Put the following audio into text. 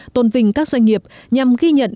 tôn vinh các doanh nghiệp nhằm ghi nhận